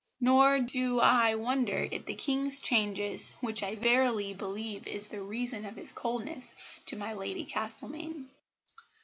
Nor do I wonder if the King changes, which I verily believe is the reason of his coldness to my Lady Castlemaine."